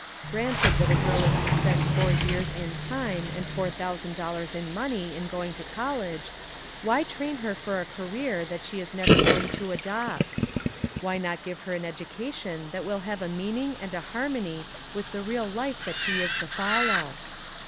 Granted that a girl is to spend four years in time and four thousand dollars in money in going to college, why train her for a career that she is never going to adopt? Why not give her an education that will have a meaning and a harmony with the real life that she is to follow?